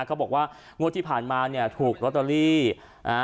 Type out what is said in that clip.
เขาบอกว่างวดที่ผ่านมาเนี่ยถูกลอตเตอรี่นะฮะ